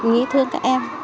nghĩ thương cả em